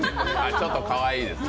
ちょっとかわいいですね。